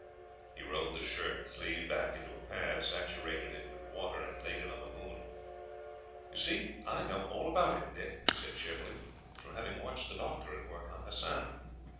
He rolled the shirt sleeve into a pad, saturated it with water, and laid it on the wound. "You see I know all about it, Dick," he said cheerily, "from having watched the doctor at work on Hassan.